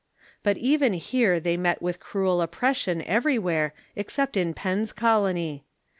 But even here they met with cruel oppression every where, except in Penn's colony.